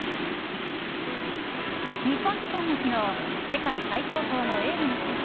日本時間の昨日世界最高峰の映画の祭典